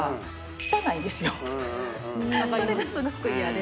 それがすごく嫌で。